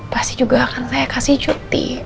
pasti juga akan saya kasih cuti